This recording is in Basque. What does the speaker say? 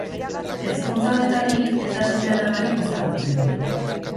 Ezkontza honetatik, ez da seme-alabarik ezagutzen.